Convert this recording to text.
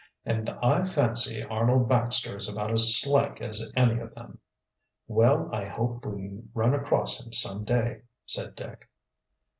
"And I fancy Arnold Baxter is about as slick as any of them." "Well, I hope we run across him some day," said Dick.